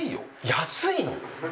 安いの？